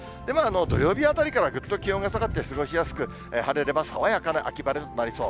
土曜日あたりからぐっと気温が下がって過ごしやすく、晴れれば爽やかな秋晴れとなりそう。